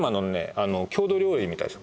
あの郷土料理みたいです